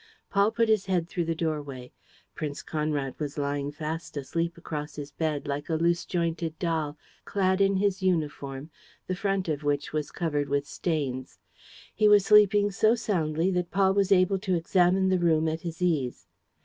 Paul put his head through the doorway. Prince Conrad was lying fast asleep across his bed, like a loose jointed doll, clad in his uniform, the front of which was covered with stains. He was sleeping so soundly that Paul was able to examine the room at his ease.